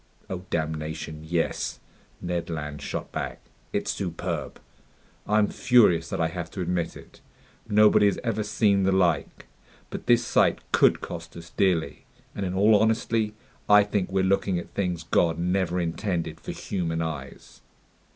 "Oh damnation, yes!" Ned Land shot back. "It's superb! I'm furious that I have to admit it. Nobody has ever seen the like. But this sight could cost us dearly. And in all honesty, I think we're looking at things God never intended for human eyes."